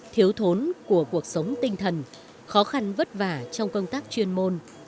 thiếu thốn của cuộc sống tinh thần khó khăn vất vả trong công tác chuyên môn